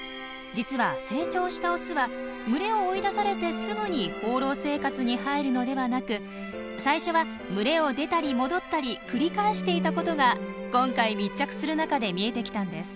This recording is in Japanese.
実は成長したオスは群れを追い出されてすぐに放浪生活に入るのではなく最初は群れを出たり戻ったり繰り返していたことが今回密着する中で見えてきたんです。